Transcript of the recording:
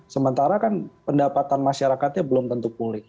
sementara kan pendapatan masyarakatnya belum tentu pulih